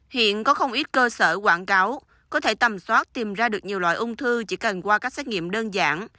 hiện có không ít cơ sở quảng cáo có thể tầm soát tìm ra được nhiều loại ung thư chỉ cần qua các xét nghiệm đơn giản